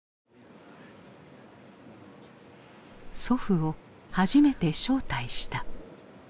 祖父を初めて招待した。